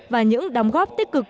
và những đóng góp tích cực